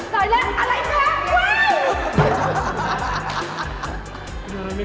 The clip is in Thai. ต่อยต่อยแล้วอะไรนี่